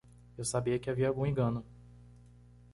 Eu sabia que havia algum engano.